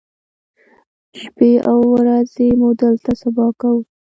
شپې او ورځې مو دلته سبا کوو.